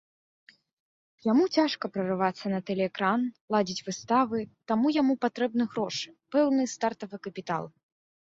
Яму цяжка прарывацца на тэлеэкран, ладзіць выставы, таму яму патрэбны грошы, пэўны стартавы капітал.